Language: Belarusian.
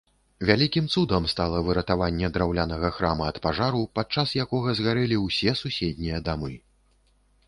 Вялікім цудам стала выратаванне драўлянага храма ад пажару, падчас якога згарэлі ўсе суседнія дамы.